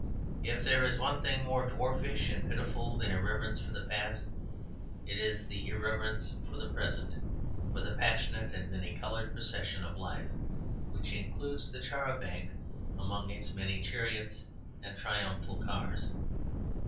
If there is one thing more dwarfish and pitiful than irreverence for the past, it is irreverence for the present, for the passionate and many coloured procession of life, which includes the char a banc among its many chariots and triumphal cars.